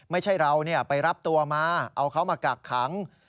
ไม่ใช่เราไปรับตัวมาเอาเขามากักขัง